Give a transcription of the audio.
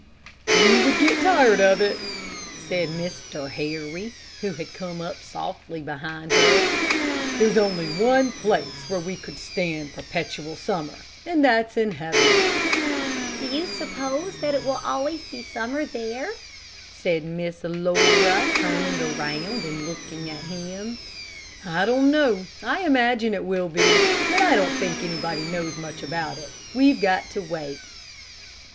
"You would get tired of it," said Mr. Harry, who had come up softly behind her. "There's only one place where we could stand perpetual summer, and that's in heaven." "Do you suppose that it will always be summer there?" said Miss Laura, turning around, and looking at him. "I don't know. I imagine it will be, but I don't think anybody knows much about it. We've got to wait."